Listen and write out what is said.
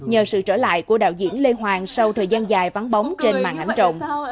nhờ sự trở lại của đạo diễn lê hoàng sau thời gian dài vắng bóng trên màn ảnh trọng